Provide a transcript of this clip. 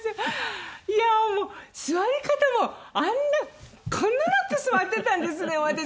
いやあもう座り方もあんなこんななって座ってたんですね私。